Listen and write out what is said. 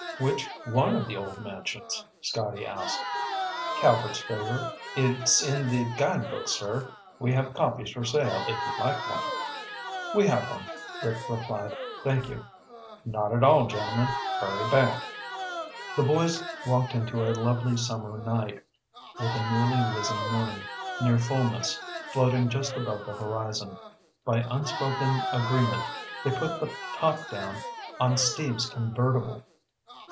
"Which one of the old mansions?" Scotty asked. "Calvert's Favor. It's in the guidebooks, sir. We have copies for sale if you'd like one." "We have one," Rick replied. "Thank you." "Not at all, gentlemen. Hurry back." The boys walked into a lovely summer night, with a newly risen moon, near fullness, floating just above the horizon. By unspoken agreement, they put the top down on Steve's convertible.